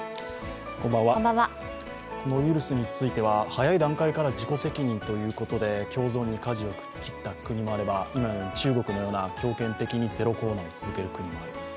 このウイルスについては早い段階から自己責任ということで共存に舵を切った国もあれば、中国のように強権的にゼロコロナを続ける国もあります。